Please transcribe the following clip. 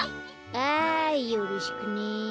ああよろしくね。